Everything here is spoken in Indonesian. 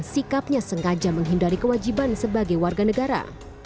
sikapnya sengaja menghindari kewajiban sebagai warga negara